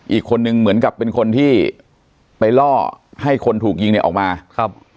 อีกคนนึงเหมือนกับเป็นคนที่ไปล่อให้คนถูกยิงเนี่ยออกมาครับ